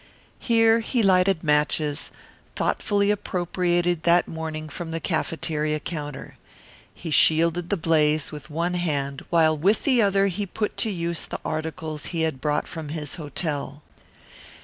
Here he lighted matches, thoughtfully appropriated that morning from the cafeteria counter. He shielded the blaze with one hand while with the other he put to use the articles he had brought from his hotel.